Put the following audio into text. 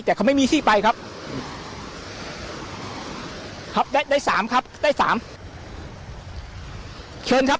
แต่เขาไม่มีที่ไปครับครับได้ได้สามครับได้สามเชิญครับ